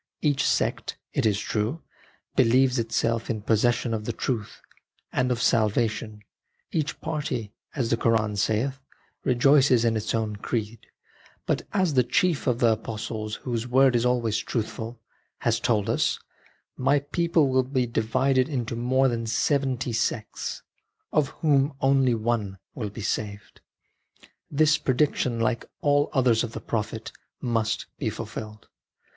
Each sect, it is true, believes itself in possession of the truth and of salvation, " each party," as the Koran saith, " rejoices in its own creed "; but as the chief of the apostles, whose word is always truthful, has told us, " My people will be divided into more than seventy sects, of whom only one will be saved." This prediction, like all others of the Prophet, must be fulfilled.